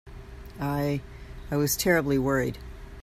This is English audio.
I—I was terribly worried.